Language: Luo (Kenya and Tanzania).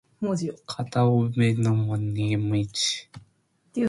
Kata obedo ni sirkal nigi ratiro mar chiwo mich